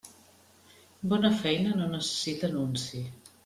Bona feina no necessita nunci.